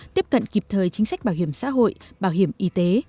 tiếp cận kịp thời chính sách bảo hiểm xã hội bảo hiểm y tế